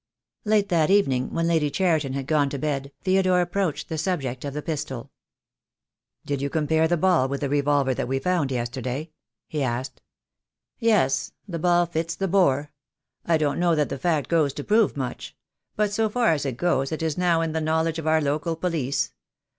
Late that evening, when Lady Cheriton had gone to bed, Theodore approached the subject of the pistol. 152 THE DAY WILL COME. "Did you compare the ball with the revolver that was found yesterday?" he asked. "Yes. The ball fits the bore. I don't know that the fact goes to prove much — but so far as it goes it is now in the knowledge of our local police.